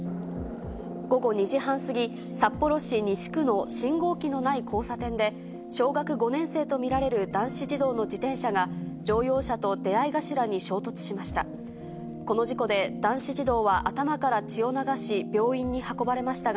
午後２時半過ぎ、札幌市西区の信号機のない交差点で、小学５年生と見られる男子児童の自転車が、乗用車と出合い頭に衝突しました。